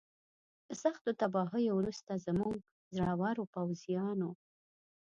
له سختو تباهیو وروسته زموږ زړورو پوځیانو.